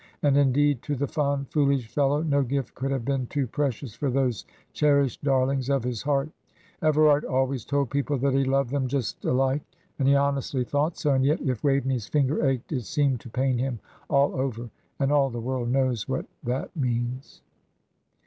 And, indeed, to the fond, foolish fellow, no gift could have been too precious for those cherished darlings of his heart. Everard always told people that he loved them just alike, and he honestly thought so; and yet, if Waveney's finger ached, it seemed to pain him all over; and all the world knows what that means!